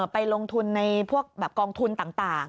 ไปลงทุนในพวกกองทุนต่าง